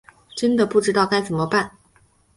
真的不知道该怎么办